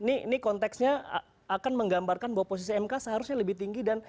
ini konteksnya akan menggambarkan bahwa posisi mk seharusnya lebih tinggi dan